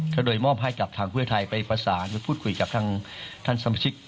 ก็โดยมอบให้กับทางเพื่อไทยไปประสานไปพูดคุยกับทางท่านสมาชิก